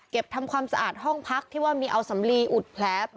ทำความสะอาดห้องพักที่ว่ามีเอาสำลีอุดแผล